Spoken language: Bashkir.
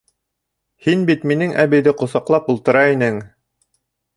Һин бит минең әбейҙе ҡосаҡлап ултыра инең!